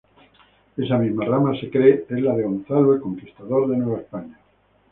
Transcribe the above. Esa misma rama se cree es la de Gonzalo el Conquistador de Nueva España.